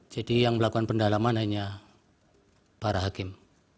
jadi yang melakukan pendalaman hanya para hakim